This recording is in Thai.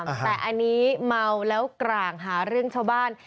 แต่อันนี้เมาแล้วกร่างหาเรื่องชาวบ้าน